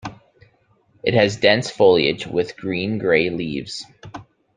It has dense foliage with green-grey leaves.